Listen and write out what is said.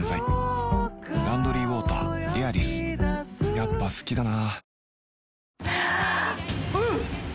やっぱ好きだな